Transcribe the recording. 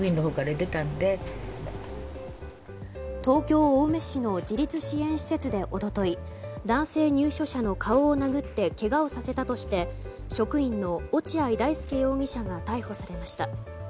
東京・青梅市の自立支援施設で一昨日男性入所者の顔を殴ってけがをさせたとして職員の落合大丞容疑者が逮捕されました。